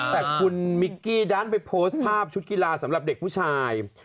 แต่คุณมิกกี้ดันไปโพสต์ภาพชุดกีฬาสำหรับเด็กผู้ชาย